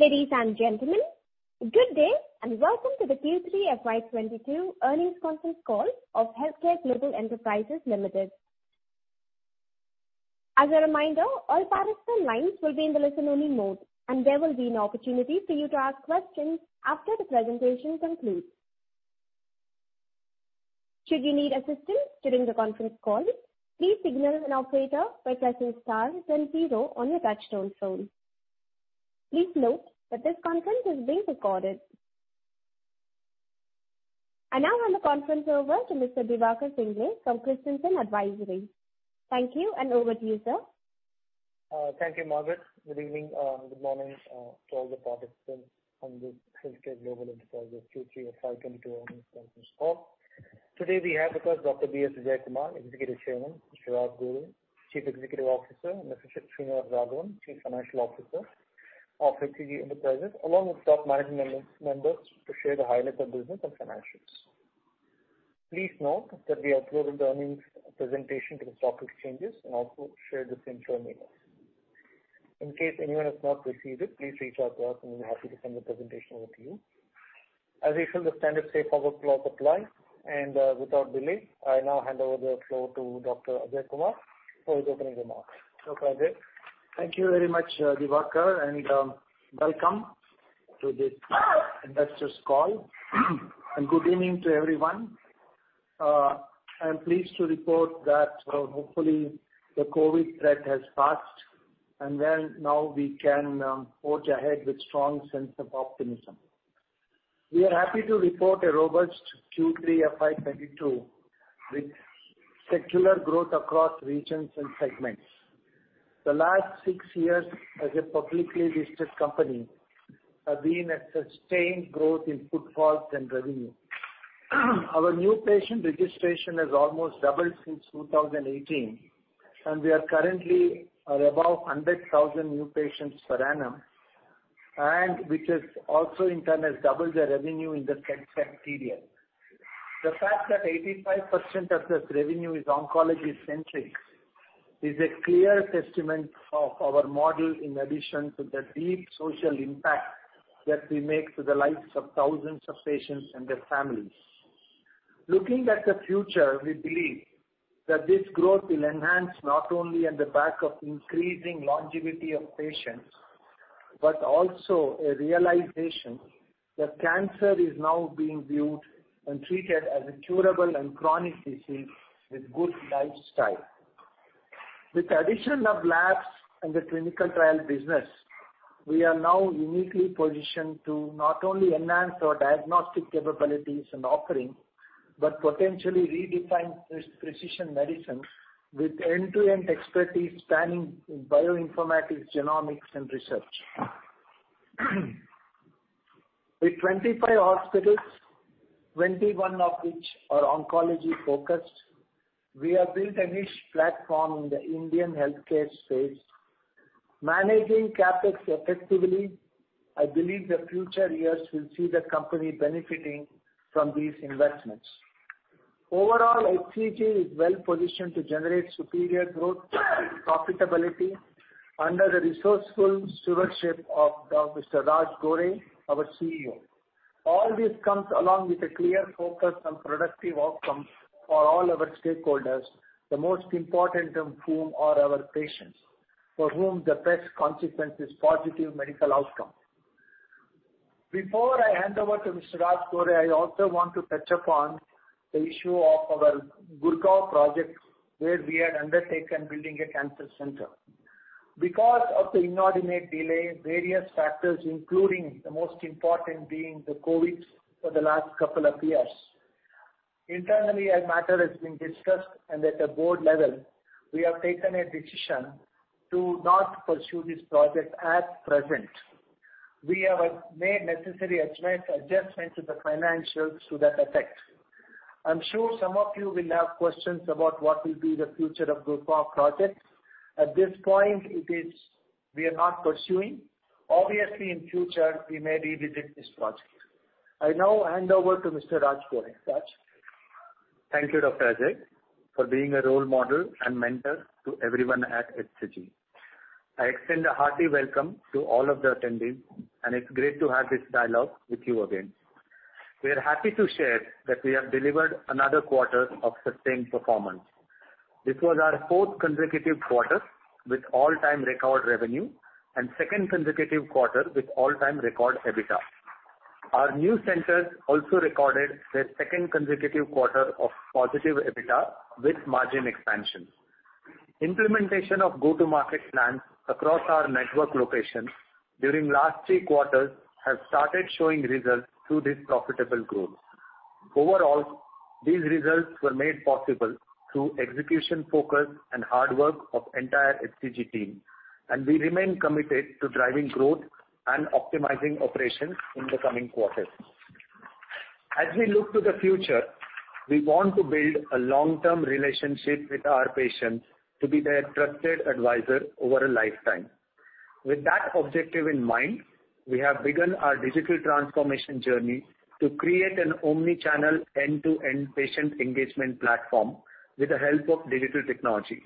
Ladies and gentlemen, good day, and Welcome to The Q3 FY 2022 Earnings Conference Call of HealthCare Global Enterprises Limited. As a reminder, all participant lines will be in the listen-only mode, and there will be an opportunity for you to ask questions after the presentation concludes. Should you need assistance during the conference call, please signal an operator by pressing star then zero on your touchtone phone. Please note that this conference is being recorded. I now hand the conference over to Mr. Deven Pingle from Christensen Advisory. Thank you, and over to you, sir. Thank you, Margaret. Good evening, good morning, to all the participants on the HealthCare Global Enterprises Q3 FY 2022 Earnings Conference Call. Today we have of course Dr. B.S. Ajaikumar, Executive Chairman, Mr. Raj Gore, CEO, and Mr. Srinivas Raghavan, CFO of HCG Enterprises, along with top management members to share the highlights of business and financials. Please note that we uploaded the earnings presentation to the stock exchanges and also shared the same through email. In case anyone has not received it, please reach out to us and we'll be happy to send the presentation over to you. As usual, the standard safe harbor laws apply, and without delay, I now hand over the floor to Dr. Ajaikumar for his opening remarks. Dr. Ajaikumar? Thank you very much, Diwakar, and welcome to the investors call and good evening to everyone. I'm pleased to report that hopefully the COVID threat has passed and now we can forge ahead with strong sense of optimism. We are happy to report a robust Q3 FY 2022 with secular growth across regions and segments. The last six years as a publicly listed company have been a sustained growth in footfalls and revenue. Our new patient registration has almost doubled since 2018, and we are currently at above 100,000 new patients per annum, and which has also in turn doubled the revenue in the same time period. The fact that 85% of this revenue is oncology-centric is a clear testament of our model in addition to the deep social impact that we make to the lives of thousands of patients and their families. Looking at the future, we believe that this growth will enhance not only on the back of increasing longevity of patients, but also a realization that cancer is now being viewed and treated as a curable and chronic disease with good lifestyle. With the addition of labs and the clinical trial business, we are now uniquely positioned to not only enhance our diagnostic capabilities and offering, but potentially redefine precision medicine with end-to-end expertise spanning bioinformatics, genomics, and research. With 25 hospitals, 21 of which are oncology focused, we have built a niche platform in the Indian healthcare space. Managing CapEx effectively, I believe the future years will see the company benefiting from these investments. Overall, HCG is well-positioned to generate superior growth and profitability under the resourceful stewardship of Mr. Raj Gore, our CEO. All this comes along with a clear focus on productive outcomes for all our stakeholders, the most important of whom are our patients, for whom the best consequence is positive medical outcome. Before I hand over to Mr. Raj Gore, I also want to touch upon the issue of our Gurgaon project where we had undertaken building a cancer center. Because of the inordinate delay, various factors, including the most important being the COVID for the last couple of years, internally the matter has been discussed and at the board level, we have taken a decision to not pursue this project at present. We have made necessary adjustments to the financials to that effect. I'm sure some of you will have questions about what will be the future of Gurgaon project. At this point, we are not pursuing. Obviously, in future, we may revisit this project. I now hand over to Mr. Raj Gore. Raj? Thank you, Dr. Ajaikumar, for being a role model and mentor to everyone at HCG. I extend a hearty welcome to all of the attendees, and it's great to have this dialogue with you again. We are happy to share that we have delivered another quarter of sustained performance. This was our consecutive Q4 with all-time record revenue and consecutive Q2 with all-time record EBITDA. Our new centers also recorded their consecutive Q2 of positive EBITDA with margin expansion. Implementation of go-to-market plans across our network locations during last three quarters have started showing results through this profitable growth. Overall, these results were made possible through execution focus and hard work of entire HCG team, and we remain committed to driving growth and optimizing operations in the coming quarters. As we look to the future, we want to build a long-term relationship with our patients to be their trusted advisor over a lifetime. With that objective in mind, we have begun our digital transformation journey to create an omni-channel end-to-end patient engagement platform with the help of digital technology.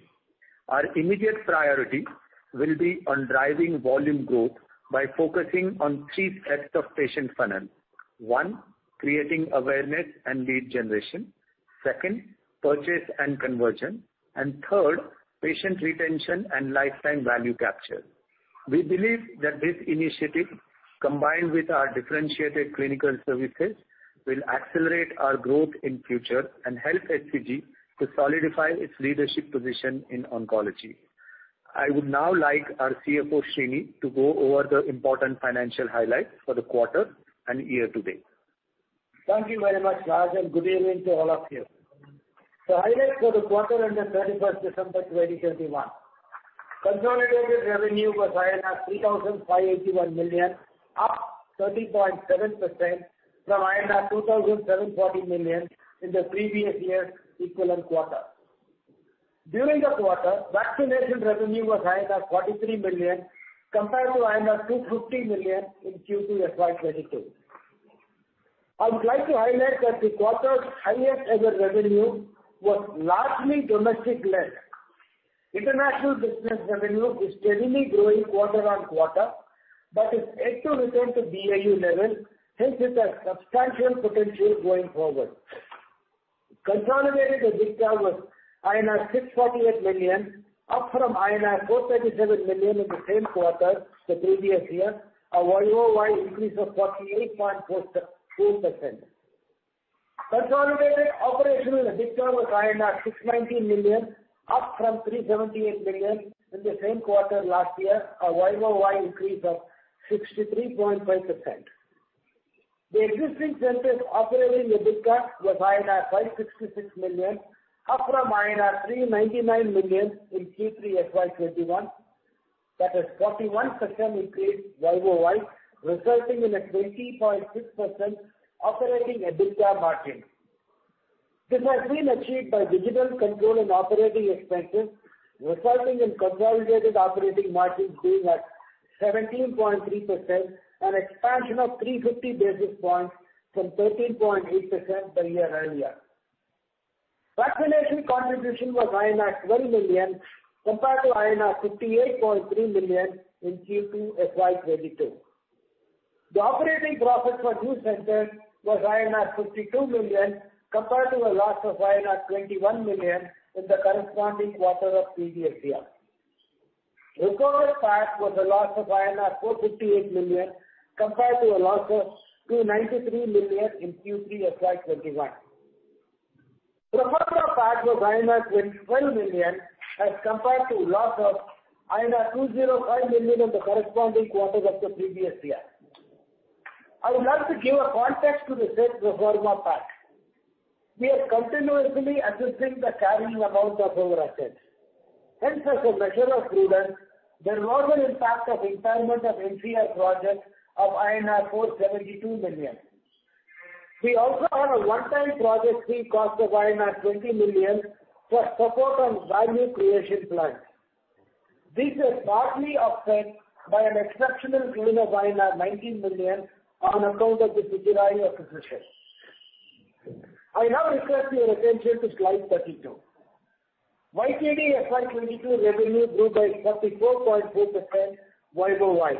Our immediate priority will be on driving volume growth by focusing on three sets of patient funnel. One, creating awareness and lead generation. Second, purchase and conversion. Third, patient retention and lifetime value capture. We believe that this initiative, combined with our differentiated clinical services, will accelerate our growth in future and help HCG to solidify its leadership position in oncology. I would now like our CFO, Srinivasa, to go over the important financial highlights for the quarter and year-to-date. Thank you very much, Raj, and good evening to all of you. Highlights for the quarter ended 31 December 2021. Consolidated revenue was 3,581 million, up 30.7% from 2,740 million in the previous year equivalent quarter. During the quarter, vaccination revenue was 43 million compared to 250 million in Q2 FY 2022. I would like to highlight that the quarter's highest ever revenue was largely domestic-led. International business revenue is steadily growing quarter on quarter, but is yet to return to BAU levels. Hence, it has substantial potential going forward. Consolidated EBITDA was INR 648 million, up from INR 437 million in the same quarter the previous year, a YoY increase of 48.42%. Consolidated operational EBITDA was 690 million, up from 378 million in the same quarter last year, a YoY increase of 63.5%. The existing centers operating EBITDA was 566 million, up from 399 million in Q3 FY 2021. That is 41% increase YoY, resulting in a 20.6% operating EBITDA margin. This has been achieved by digital control and operating expenses, resulting in consolidated operating margin being at 17.3%, an expansion of 350 basis points from 13.8% the year earlier. Vaccination contribution was 12 million compared to 58.3 million in Q2 FY 2022. The operating profit for new centers was INR 52 million compared to a loss of INR 21 million in the corresponding quarter of previous year. Pro forma PAT was a loss of 458 million compared to a loss of 293 million in Q3 FY 2021. Pro forma PAT was 21 million as compared to loss of 205 million in the corresponding quarter of the previous year. I would like to give a context to the said pro forma PAT. We are continuously assessing the carrying amount of our assets. Hence, as a measure of prudence, there is normal impact of impairment of NCR projects of INR 472 million. We also have a one-time project fee cost of INR 20 million for support on value creation plans. This was partly offset by an exceptional gain of 19 million on account of the Suchirayu acquisition. I now request your attention to slide 32. YTD FY 2022 revenue grew by 44.4% YoY.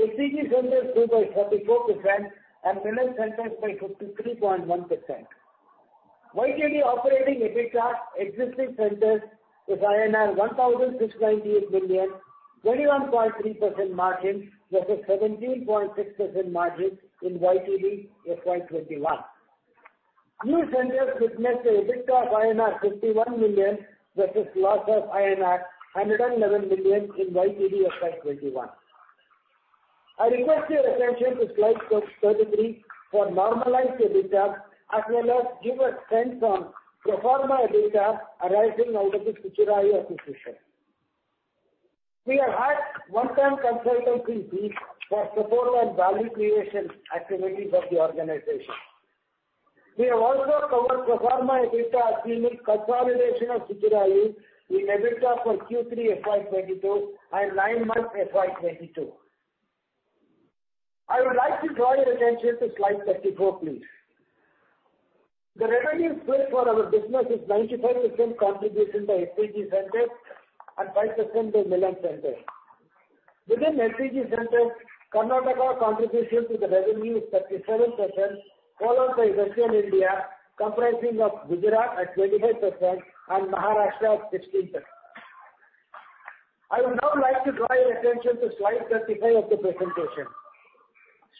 HCG centers grew by 44% and Milann centers by 53.1%. YTD operating EBITDA existing centers is INR 1,698 million, 21.3% margin versus 17.6% margin in YTD FY 2021. New centers witnessed a EBITDA of INR 51 million versus loss of INR 111 million in YTD FY 2021. I request your attention to slide 33 for normalized EBITDA, as well as give a sense on pro forma EBITDA arising out of the Suchirayu acquisition. We have had one-time consulting fees for support on value creation activities of the organization. We have also covered pro forma EBITDA assuming consolidation of Suchirayu in EBITDA for Q3 FY 2022 and nine months FY 2022. I would like to draw your attention to slide 34, please. The revenue split for our business is 95% contribution by HCG centers and 5% by Milann centers. Within HCG centers, Karnataka contribution to the revenue is 37%, followed by Western India comprising of Gujarat at 25% and Maharashtra at 16%. I would now like to draw your attention to slide 35 of the presentation.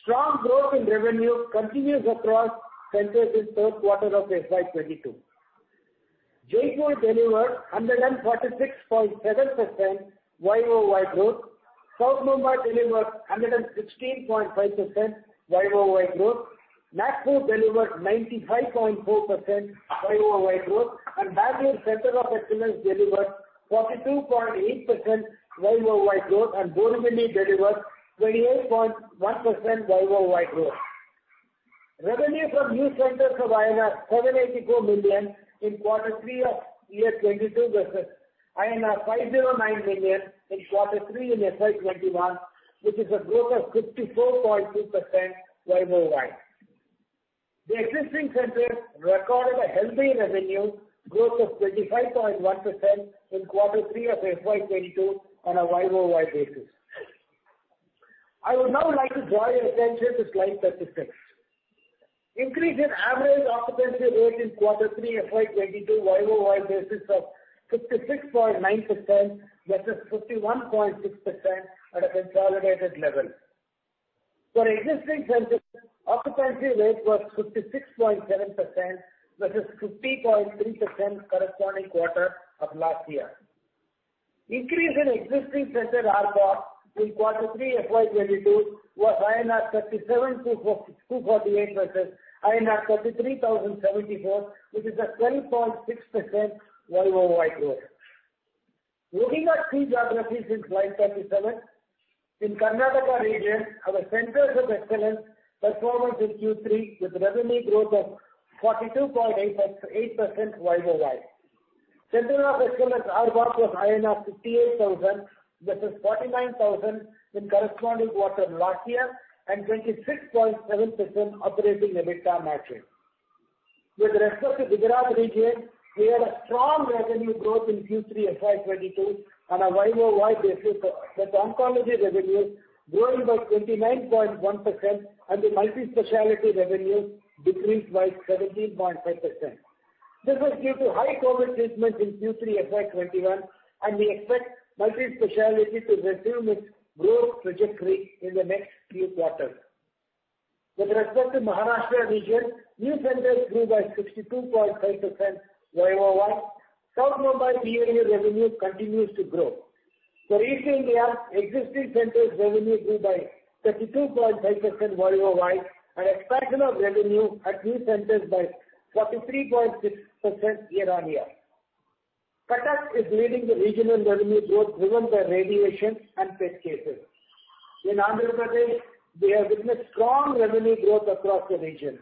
Strong growth in revenue continues across centers in third quarter of FY 2022. Jaipur delivered 146.7% YoY growth. South Mumbai delivered 116.5% YoY growth. Nagpur delivered 95.4% YoY growth. Bangalore Center of Excellence delivered 42.8% YoY growth. Gurugram delivered 28.1% YoY growth. Revenue from new centers was INR 784 million in Q3 of year 2022 versus INR 509 million in Q3 in FY 2021, which is a growth of 54.2% YoY. The existing centers recorded a healthy revenue growth of 25.1% in Q3 of FY 2022 on a YoY basis. I would now like to draw your attention to slide 36. Increase in average occupancy rate in Q3 FY 2022 YoY basis of 66.9% versus 51.6% at a consolidated level. For existing centers, occupancy rate was 66.7% versus 50.3% corresponding quarter of last year. Increase in existing center ARPA in Q3 FY 2022 was INR 33,074, which is a 20.6% YoY growth. Looking at key geographies in slide 37. In Karnataka region, our centers of excellence performance in Q3 with revenue growth of 42.8%, 8% YoY. Centers of Excellence ARPA was 58,000 versus 49,000 in corresponding quarter last year and 26.7% operating EBITDA margin. With respect to Gujarat region, we had a strong revenue growth in Q3 FY 2022 on a YoY basis, with oncology revenues growing by 29.1% and the multispecialty revenues decreased by 17.5%. This was due to high COVID treatment in Q3 FY 2021, and we expect multispecialty to resume its growth trajectory in the next few quarters. With respect to Maharashtra region, new centers grew by 62.5% YoY. South Mumbai PA revenue continues to grow. For East India, existing centers revenue grew by 32.5% YoY, and expansion of revenue at new centers by 43.6% year-over-year. Odisha is leading the regional revenue growth driven by radiation and pet cases. In Andhra Pradesh, we have witnessed strong revenue growth across the region.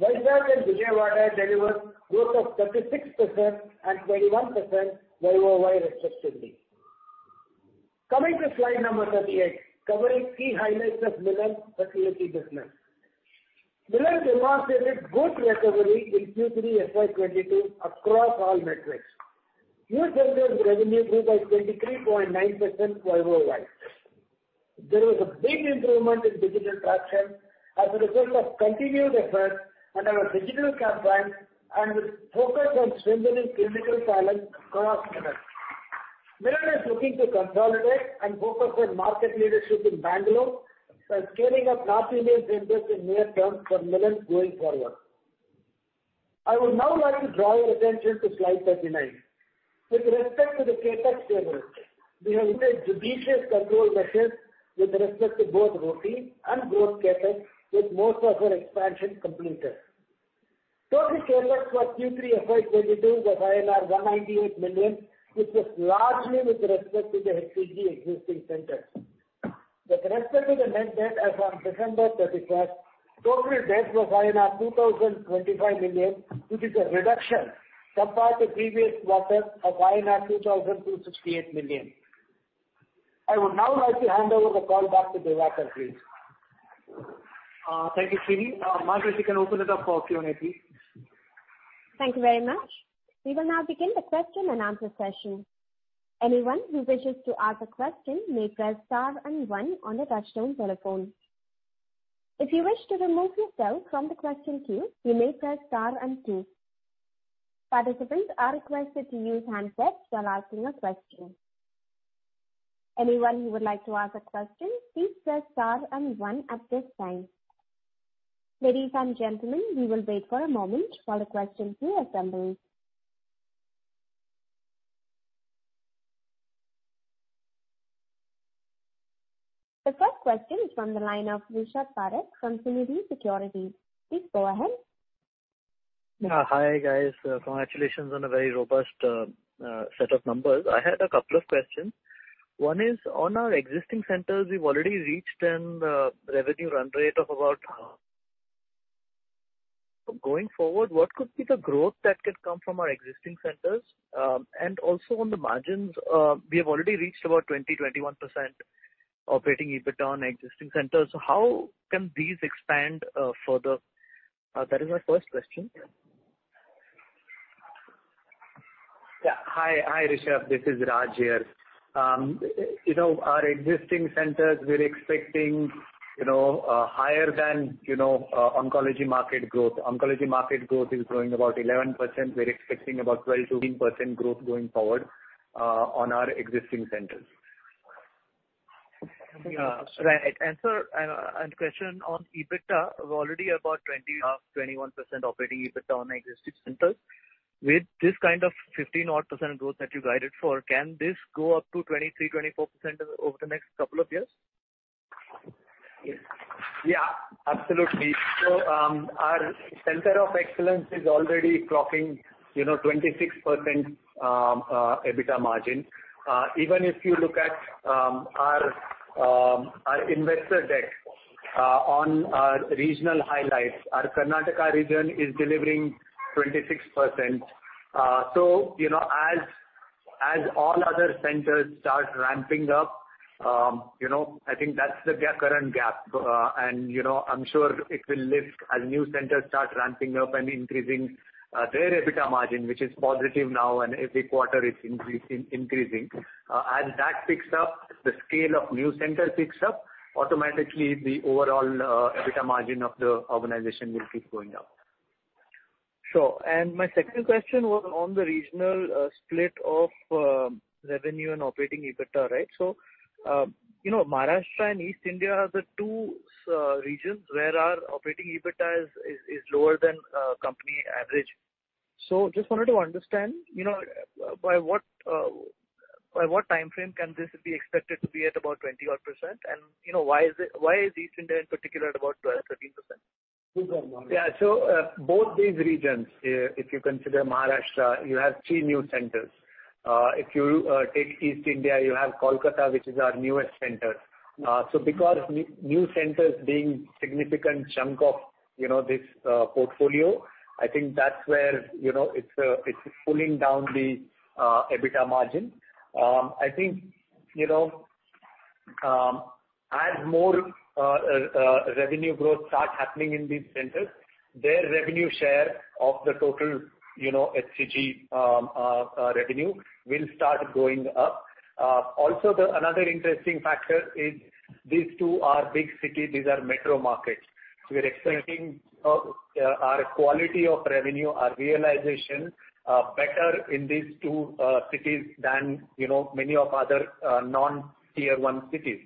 Vizag and Vijayawada delivered growth of 36% and 21% YoY respectively. Coming to slide number 38, covering key highlights of Milann fertility business. Milann demonstrated good recovery in Q3 FY 2022 across all metrics. New centers revenue grew by 23.9% YoY. There was a big improvement in digital traction as a result of continued efforts and our digital campaigns and with focus on strengthening clinical talent across Milann. Milann is looking to consolidate and focus on market leadership in Bangalore by scaling up North Indian centers in near term for Milann going forward. I would now like to draw your attention to slide 39. With respect to the CapEx spend, we have made judicious control measures with respect to both routine and growth CapEx, with most of our expansion completed. Total CapEx for Q3 FY 2022 was INR 198 million, which was largely with respect to the HCG existing centers. With respect to the net debt as on December 31st, total debt was 2,025 million, which is a reduction compared to previous quarter of 2,268 million. I would now like to hand over the call back to Raj, please. Thank you, Srinivas. Margaret, you can open it up for Q&A, please. Thank you very much. We will now begin the question and answer session. Anyone who wishes to ask a question may press star and one on the touchtone telephone. If you wish to remove yourself from the question queue, you may press star and two. Participants are requested to use handsets while asking a question. Anyone who would like to ask a question, please press star and one at this time. Ladies and gentlemen, we will wait for a moment while the question queue assembles. The first question is from the line of Rishabh Parekh from Celerity Securities. Please go ahead. Hi, guys. Congratulations on a very robust set of numbers. I had a couple of questions. One is on our existing centers. We've already reached a revenue run rate of about. Going forward, what could be the growth that could come from our existing centers? Also on the margins, we have already reached about 20%- 21% operating EBITDA on existing centers. How can these expand further? That is my first question. Hi, Rishabh. This is Raj here. You know, our existing centers, we're expecting, you know, higher than, you know, oncology market growth. Oncology market growth is growing about 11%. We're expecting about 12%-15% growth going forward on our existing centers. Question on EBITDA. We're already about 21% operating EBITDA on existing centers. With this kind of 15-odd% growth that you guided for, can this go up to 23%-24% over the next couple of years? Yeah, absolutely. Our Center of Excellence is already clocking, you know, 26% EBITDA margin. Even if you look at our investor deck on our regional highlights, our Karnataka region is delivering 26%. You know, as all other centers start ramping up, you know, I think that's the current gap. You know, I'm sure it will lift as new centers start ramping up and increasing their EBITDA margin, which is positive now and every quarter it's increasing. As that picks up, the scale of new centers picks up, automatically the overall EBITDA margin of the organization will keep going up. Sure. My second question was on the regional split of revenue and operating EBITDA, right? You know, Maharashtra and East India are the two such regions where our operating EBITDA is lower than company average. Just wanted to understand, you know, by what timeframe can this be expected to be at about 20-odd%? You know, why is it, why is East India in particular at about 12-13%? Both these regions, if you consider Maharashtra, you have three new centers. If you take East India, you have Kolkata, which is our newest center. Because new centers being significant chunk of, you know, this portfolio, I think that's where, you know, it's pulling down the EBITDA margin. I think, you know, as more revenue growth starts happening in these centers, their revenue share of the total, you know, HCG revenue will start going up. Also, another interesting factor is these two are big cities, these are metro markets. We're expecting our quality of revenue, our realization better in these two cities than, you know, many of other non-tier one cities.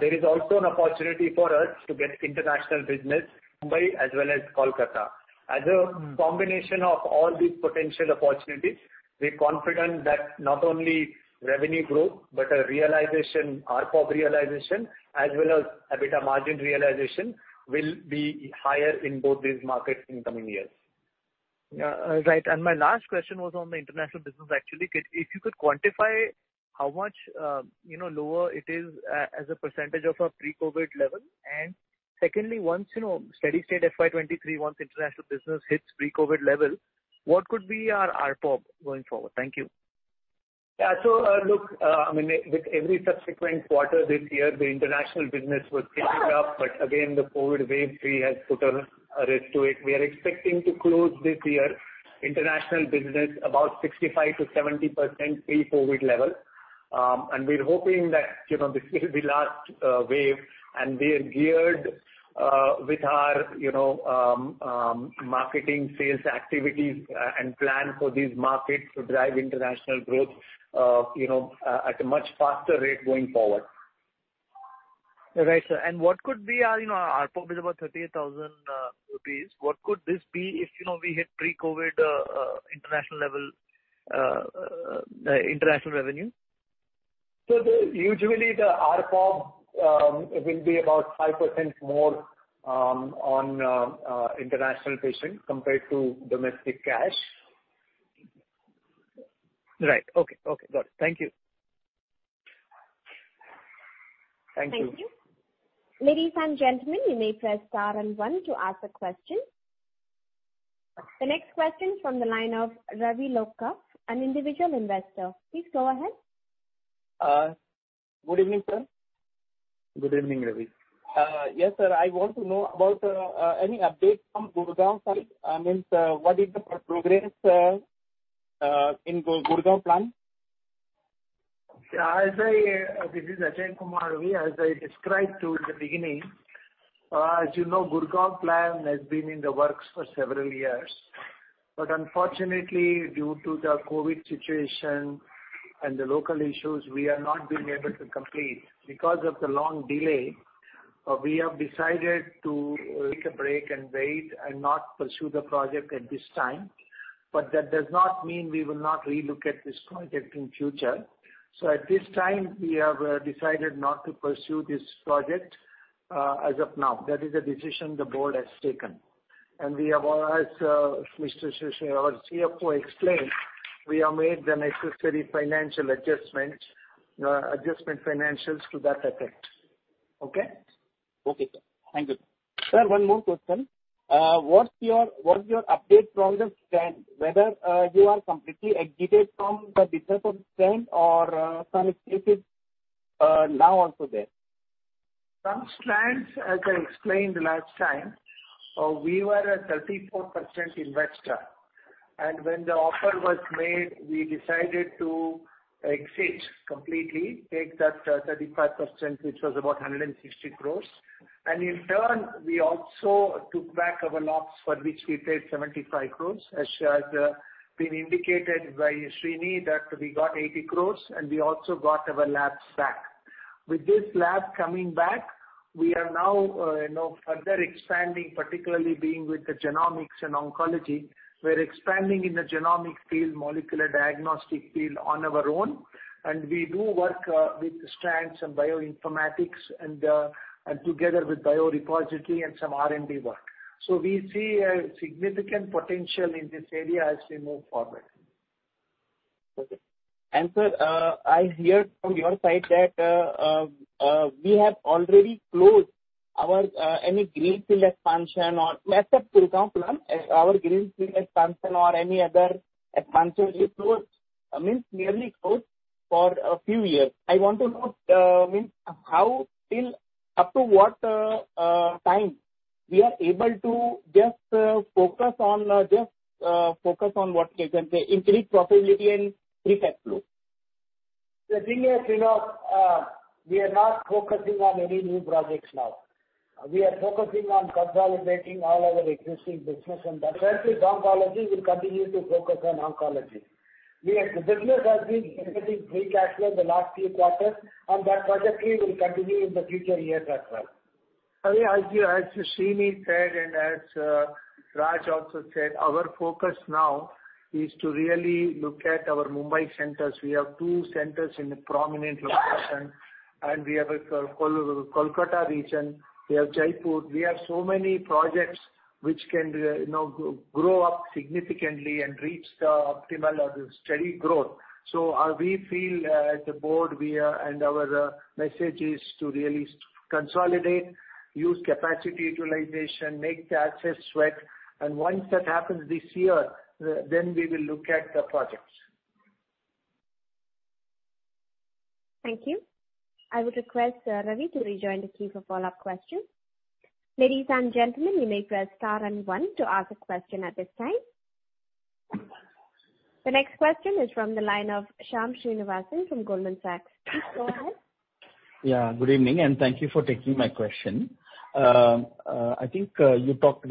There is also an opportunity for us to get international business, Mumbai as well as Kolkata. As a combination of all these potential opportunities, we're confident that not only revenue growth, but a realization, ARPOB realization, as well as EBITDA margin realization will be higher in both these markets in coming years. Yeah. Right. My last question was on the international business, actually. If you could quantify how much, you know, lower it is as a percentage of our pre-COVID level. Secondly, once, you know, steady state FY 2023, once international business hits pre-COVID level, what could be our ARPOB going forward? Thank you. Yeah. Look, I mean, with every subsequent quarter this year, the international business was picking up, but again, the COVID wave three has put a risk to it. We are expecting to close this year international business about 65%-70% pre-COVID level. We're hoping that, you know, this will be last wave, and we are geared with our, you know, marketing sales activities and plan for these markets to drive international growth, you know, at a much faster rate going forward. Right. What could be our, you know, ARPOB is about 38,000 rupees. What could this be if, you know, we hit pre-COVID international level international revenue? Usually the ARPOB will be about 5% more on international patients compared to domestic cash. Right. Okay. Okay, got it. Thank you. Thank you. Thank you. Ladies and gentlemen, you may press star and one to ask a question. The next question from the line of Ravi Loka, an individual investor. Please go ahead. Good evening, sir. Good evening, Ravi. Yes, sir. I want to know about any updates from Gurgaon side. I mean, what is the progress in Gurgaon plant? This is Ajaikumar, Ravi. As I described to you in the beginning, as you know, Gurgaon plan has been in the works for several years. Unfortunately, due to the COVID situation and the local issues, we are not being able to complete. Because of the long delay, we have decided to take a break and wait and not pursue the project at this time. That does not mean we will not relook at this project in future. At this time, we have decided not to pursue this project, as of now. That is a decision the board has taken. We have, as Mr. Srinivash, our CFO explained, made the necessary financial adjustments to that effect. Okay? Okay, sir. Thank you. Sir, one more question. What's your update from the Strand, whether you are completely exited from the business of Strand or some stakes is now also there? Strand Life Sciences, as I explained last time, we were a 34% investor. When the offer was made, we decided to exit completely, take that 35%, which was about 160 crore. In turn, we also took back our labs for which we paid 75 crore. As has been indicated by Srini that we got 80 crore and we also got our labs back. With this lab coming back, we are now, you know, further expanding, particularly being with the genomics and oncology. We're expanding in the genomic field, molecular diagnostics field on our own. We do work with Strand and bioinformatics and together with biorepository and some R&D work. We see a significant potential in this area as we move forward. Okay. Sir, I heard from your side that we have already closed. Our any greenfield expansion or except for example our greenfield expansion or any other expansion is closed, I mean nearly closed for a few years. I want to know means how till up to what time we are able to just focus on what I can say increased profitability and free cash flow. The thing is, you know, we are not focusing on any new projects now. We are focusing on consolidating all our existing business and that center's oncology will continue to focus on oncology. The business has been generating free cash flow in the last few quarters, and that trajectory will continue in the future years as well. Yeah. As you, as Srini said, and as Raj also said, our focus now is to really look at our Mumbai centers. We have two centers in a prominent location, and we have a Kolkata region, we have Jaipur. We have so many projects which can, you know, grow up significantly and reach the optimal or steady growth. So, we feel, as a board, we, and our message is to really consolidate, use capacity utilization, make the assets sweat. Once that happens this year, then we will look at the projects. Thank you. I would request Ravi to rejoin the queue for follow-up questions. Ladies and gentlemen, you may press star and one to ask a question at this time. The next question is from the line of Shyam Srinivasan from Goldman Sachs. Please go ahead. Yeah, good evening, and thank you for taking my question. I think you talk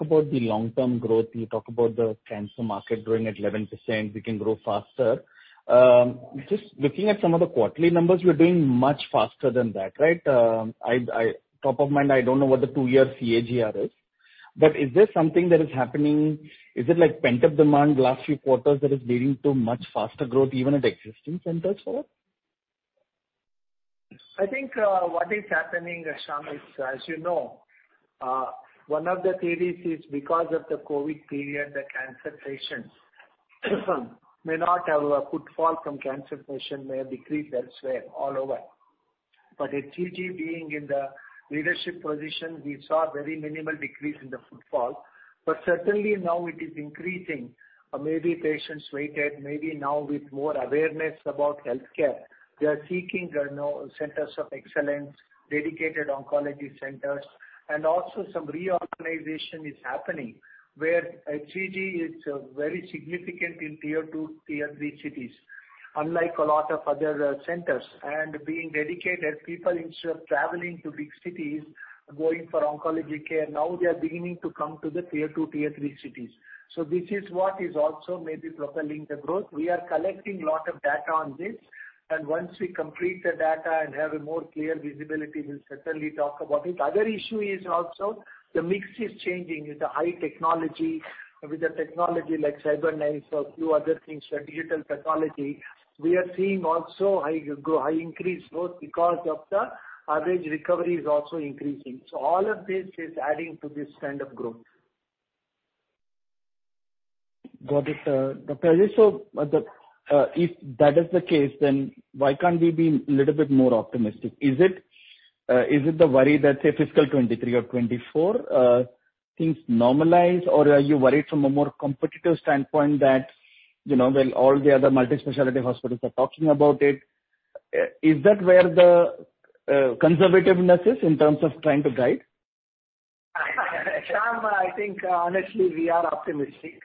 about the long-term growth, you talk about the cancer market growing at 11%, we can grow faster. Top of mind, I don't know what the two-year CAGR is. Is there something that is happening? Is it like pent-up demand last few quarters that is leading to much faster growth even at existing centers? I think, what is happening, Shyam, is, as you know, one of the theories is because of the COVID period, the footfall from cancer patients may have decreased elsewhere all over. HCG being in the leadership position, we saw very minimal decrease in the footfall. Certainly now it is increasing. Maybe patients waited, maybe now with more awareness about healthcare, they are seeking, you know, Centers of Excellence, dedicated oncology centers, and also some reorganization is happening where HCG is very significant in tier two, tier three cities, unlike a lot of other centers. Being dedicated, people instead of traveling to big cities, going for oncology care, now they are beginning to come to the tier two, tier three cities. This is what is also maybe propelling the growth. We are collecting lot of data on this, and once we complete the data and have a more clear visibility, we'll certainly talk about it. Other issue is also the mix is changing with the high technology, with the technology like CyberKnife or few other things like digital pathology. We are seeing also high increase both because of the average recovery is also increasing. All of this is adding to this kind of growth. Got it. Dr. B.S. Ajaikumar, so if that is the case, then why can't we be a little bit more optimistic? Is it the worry that, say, fiscal 2023 or 2024, things normalize? Or are you worried from a more competitive standpoint that, you know, well, all the other multi-specialty hospitals are talking about it. Is that where the conservativeness is in terms of trying to guide? Shyam, I think honestly, we are optimistic.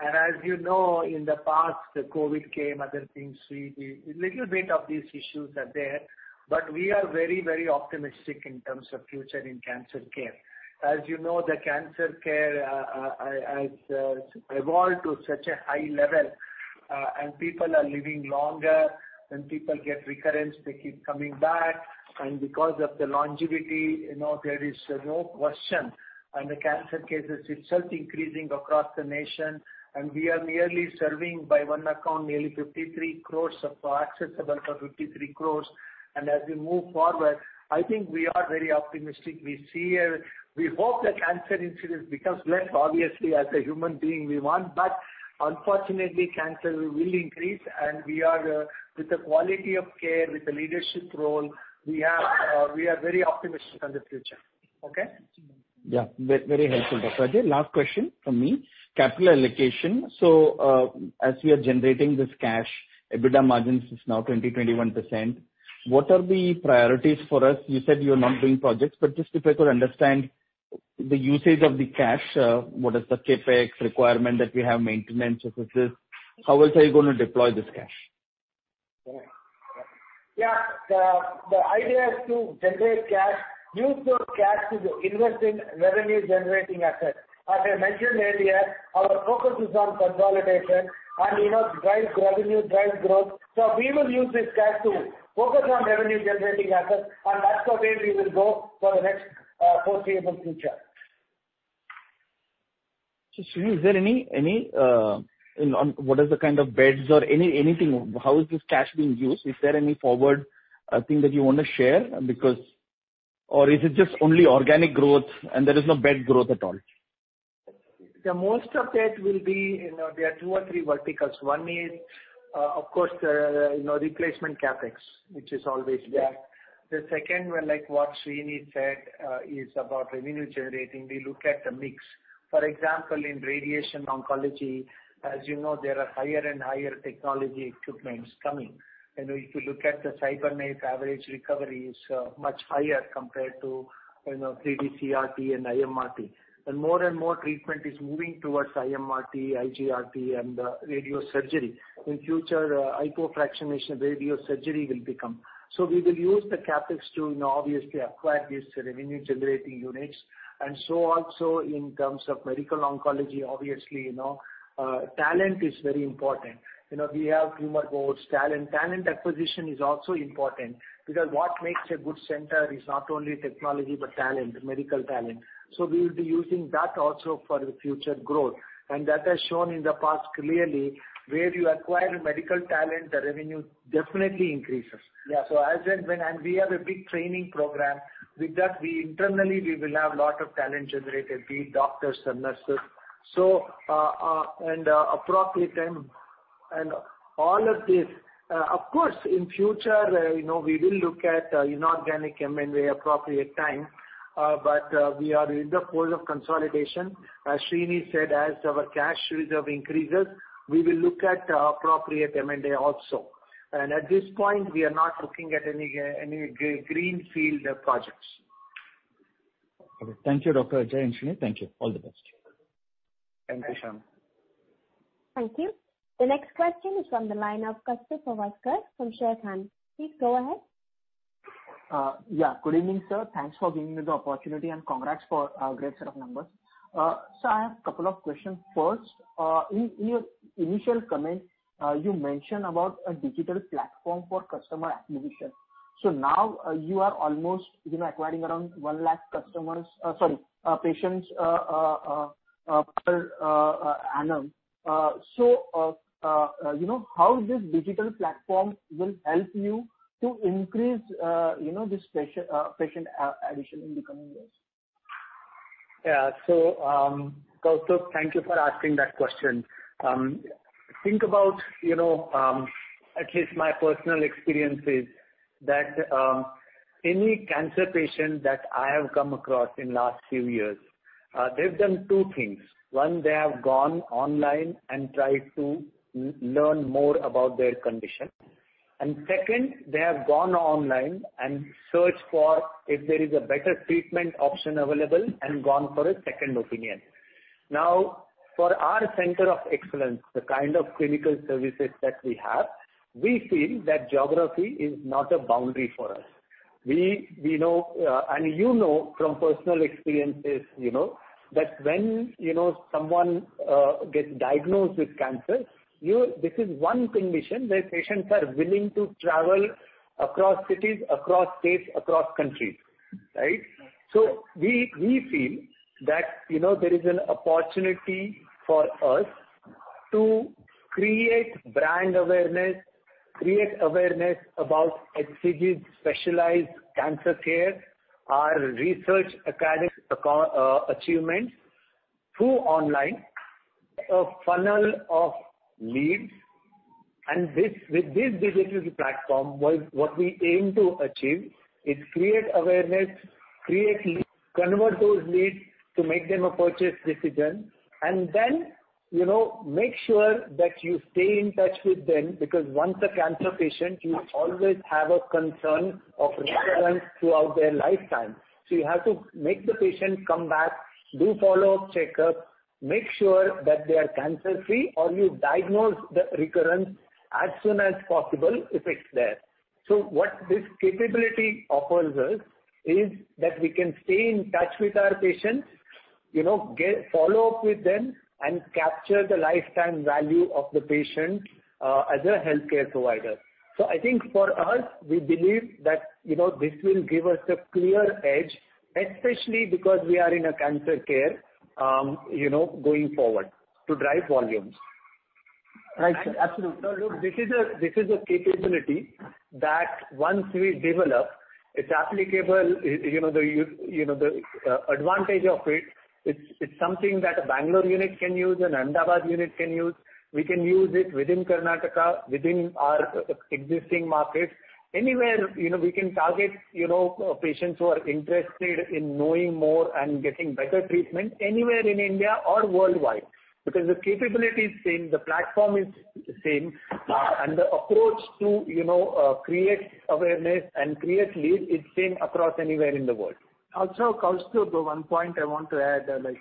As you know, in the past, the COVID came, other things. A little bit of these issues are there, but we are very optimistic in terms of future in cancer care. As you know, the cancer care has evolved to such a high level, and people are living longer. When people get recurrence, they keep coming back. Because of the longevity, you know, there is no question, and the cancer cases itself increasing across the nation, and we are merely serving by one account, nearly 53 crore. Accessible for 53 crore. As we move forward, I think we are very optimistic. We hope that cancer incidence becomes less, obviously, as a human being we want, but unfortunately, cancer will increase. We are with the quality of care, with the leadership role. We are very optimistic on the future. Okay? Yeah. Very helpful, Dr. Ajaikumar. Last question from me. Capital allocation. As we are generating this cash, EBITDA margins is now 20%-21%. What are the priorities for us? You said you're not doing projects, but just if I could understand the usage of the cash, what is the CapEx requirement that we have, maintenance of this? How else are you gonna deploy this cash? The idea is to generate cash, use those cash to invest in revenue generating assets. As I mentioned earlier, our focus is on consolidation and, you know, drive revenue, drive growth. We will use this cash to focus on revenue generating assets, and that's the way we will go for the next foreseeable future. Srini, is there any, you know, what is the kind of beds or anything, how is this cash being used? Is there any forward thing that you wanna share because, or is it just only organic growth and there is no bed growth at all? The most of that will be, you know, there are two or three verticals. One is, of course, the, you know, replacement CapEx, which is always there. The second one, like what Srini said, is about revenue generating. We look at the mix. For example, in radiation oncology, as you know, there are higher and higher technology equipment coming. You know, if you look at the CyberKnife average recovery is much higher compared to, you know, 3D CRT and IMRT. More and more treatment is moving towards IMRT, IGRT and radiosurgery. In future, hypofractionation radiosurgery will become. We will use the CapEx to, you know, obviously acquire these revenue generating units. So also in terms of medical oncology, obviously, you know, talent is very important. You know, we have tumor boards, talent. Talent acquisition is also important, because what makes a good center is not only technology, but talent, medical talent. We will be using that also for the future growth. That has shown in the past clearly, where you acquire medical talent, the revenue definitely increases. Yeah. We have a big training program. With that we internally will have lot of talent generated, be it doctors or nurses. Appropriate time and all of this. Of course, in future, you know, we will look at inorganic M&A appropriate time, but we are in the phase of consolidation. As Srini said, as our cash reserve increases, we will look at appropriate M&A also. At this point we are not looking at any greenfield projects. Okay. Thank you, Dr. Ajaikumar and Srini. Thank you. All the best. Thank you, Shyam. Thank you. The next question is from the line of Kaustubh Vasavada from Sharekhan. Please go ahead. Yeah. Good evening, sir. Thanks for giving me the opportunity and congrats for a great set of numbers. I have a couple of questions. First, in your initial comment, you mentioned about a digital platform for customer acquisition. Now you are almost, you know, acquiring around 1 lakh customers, sorry, patients per annum. You know, how this digital platform will help you to increase, you know, this patient addition in the coming years? Yeah. Kaustubh, thank you for asking that question. Think about, you know, at least my personal experience is that, any cancer patient that I have come across in last few years, they've done two things. One, they have gone online and tried to learn more about their condition. Second, they have gone online and searched for if there is a better treatment option available and gone for a second opinion. Now, for our Center of Excellence, the kind of clinical services that we have, we feel that geography is not a boundary for us. We know, and you know from personal experiences, you know, that when, you know, someone gets diagnosed with cancer. This is one condition where patients are willing to travel across cities, across states, across countries, right? We feel that, you know, there is an opportunity for us to create brand awareness, create awareness about HCG's specialized cancer care, our research and academic achievements through an online funnel of leads. With this digital platform, what we aim to achieve is create awareness, create leads, convert those leads to make a purchase decision, and then, you know, make sure that you stay in touch with them, because once a cancer patient, you always have a concern of recurrence throughout their lifetime. You have to make the patient come back, do follow-up checkup, make sure that they are cancer-free, or you diagnose the recurrence as soon as possible if it's there. What this capability offers us is that we can stay in touch with our patients, you know, get follow-up with them, and capture the lifetime value of the patient, as a healthcare provider. I think for us, we believe that, you know, this will give us a clear edge, especially because we are in a cancer care, you know, going forward to drive volumes. Right. Absolutely. No, look, this is a capability that once we develop, it's applicable, you know, the advantage of it's something that a Bangalore unit can use, an Ahmedabad unit can use. We can use it within Karnataka, within our existing markets. Anywhere, you know, we can target, you know, patients who are interested in knowing more and getting better treatment anywhere in India or worldwide. Because the capability is same, the platform is the same, and the approach to, you know, create awareness and create leads is same across anywhere in the world. Kaustubh, the one point I want to add, like,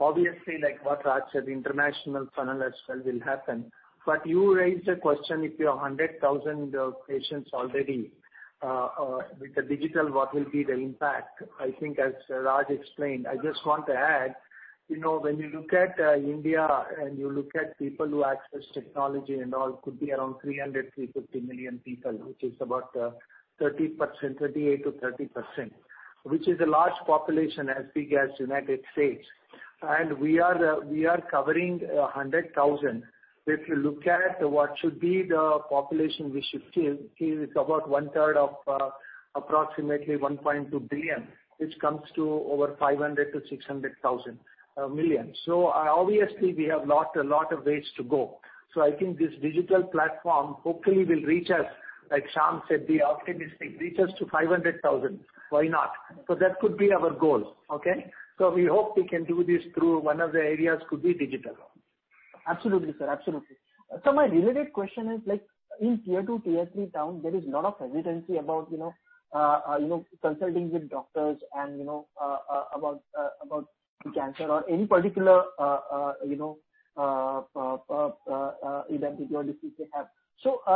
obviously like what Raj said, international funnel as well will happen. But you raised a question if you have 100,000 patients already, with the digital what will be the impact? I think as Raj explained, I just want to add, you know, when you look at India and you look at people who access technology and all could be around 300-350 million people, which is about 30%-38%, which is a large population as big as US. We are covering 100,000. If you look at what should be the population we should serve is about one-third of approximately 1.2 billion. Which comes to over 500-600 thousand million. Obviously we have a lot of ways to go. I think this digital platform hopefully will reach us, like Shyam said, be optimistic, reach us to 500,000. Why not? That could be our goal. Okay. We hope we can do this through one of the areas could be digital. Absolutely, sir. Absolutely. My related question is like in tier two, tier three town, there is lot of hesitancy about, you know, consulting with doctors and, you know, about cancer or any particular, you know, identity or disease they have.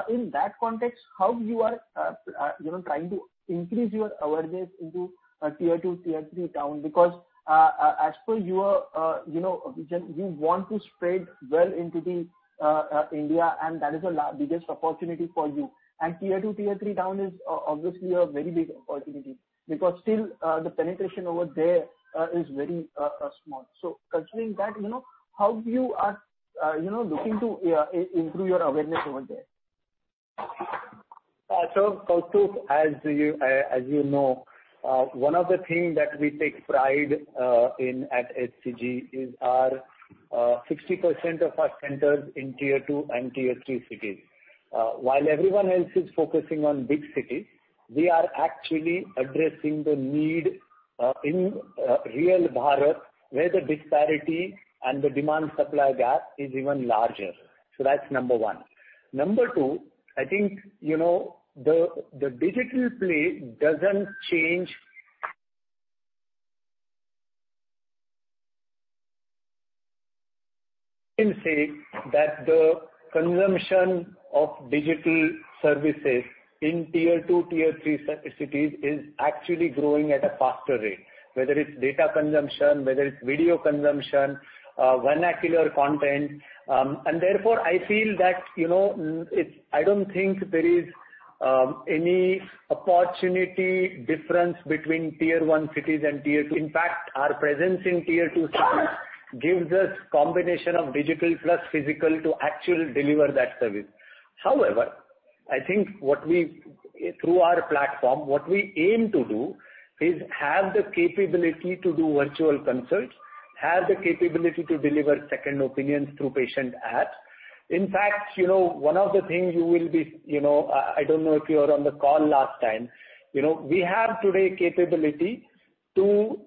In that context, how you are, you know, trying to increase your awareness into tier two, tier three town, because as per your, you know, vision, you want to spread well into the India, and that is the biggest opportunity for you. Tier two, tier three town is obviously a very big opportunity because still, the penetration over there is very small. Considering that, you know, how you are, you know, looking to improve your awareness over there? Kaustubh, as you know, one of the things that we take pride in at HCG is our 60% of our centers in tier two and tier three cities. While everyone else is focusing on big cities, we are actually addressing the need in real Bharat, where the disparity and the demand-supply gap is even larger. That's number one. Number two, I think, you know, the digital play doesn't change. I can say that the consumption of digital services in tier two, tier three cities is actually growing at a faster rate, whether it's data consumption, whether it's video consumption, vernacular content. And therefore, I feel that, you know, it's. I don't think there is any opportunity difference between tier one cities and tier two. In fact, our presence in tier two cities gives us combination of digital plus physical to actually deliver that service. However, I think what we through our platform aim to do is have the capability to do virtual consult, have the capability to deliver second opinions through patient apps. In fact, I don't know if you were on the call last time. You know, we have today capability to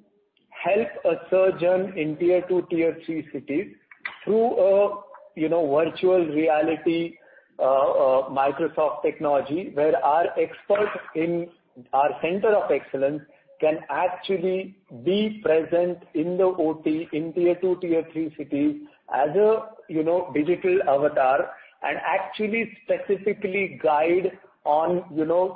help a surgeon in tier two, tier three cities through a virtual reality, Microsoft technology, where our experts in our Center of Excellence can actually be present in the OT in tier two, tier three cities as a digital avatar and actually specifically guide on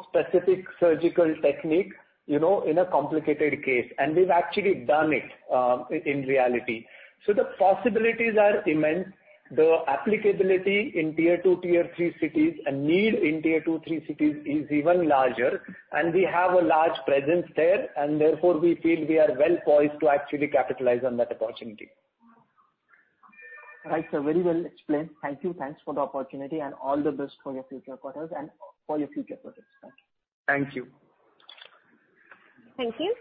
specific surgical technique in a complicated case. We've actually done it in reality. The possibilities are immense. The applicability in tier two, tier three cities and need in tier two, three cities is even larger, and we have a large presence there, and therefore we feel we are well poised to actually capitalize on that opportunity. Right, sir. Very well explained. Thank you. Thanks for the opportunity and all the best for your future quarters and for your future projects. Thank you. Thank you. Thank you.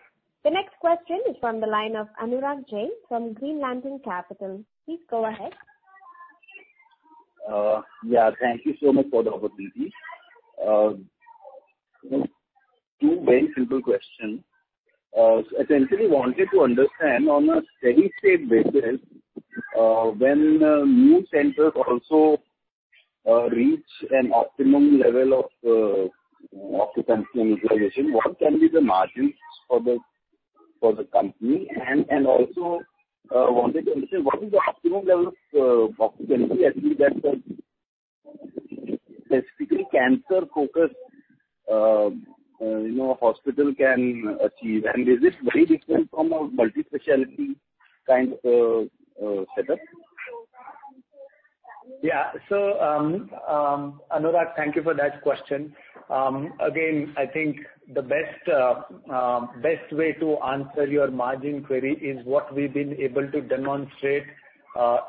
The next question is from the line of Anurag Jain from Green Lantern Capital. Please go ahead. Yeah, thank you so much for the opportunity. Two very simple question. I essentially wanted to understand on a steady state basis, when new centers also reach an optimum level of occupancy and utilization, what can be the margins for the company? Also I wanted to understand what is the optimum level of occupancy actually that a specifically cancer-focused, you know, hospital can achieve? Is it very different from a multi-specialty kind of a setup? Yeah. Anurag, thank you for that question. Again, I think the best way to answer your margin query is what we've been able to demonstrate